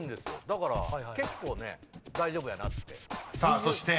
だから結構ね大丈夫やなって。